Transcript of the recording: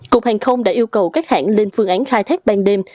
cục hàng không đã yêu cầu các hãng lên phương án khai thác ban đêm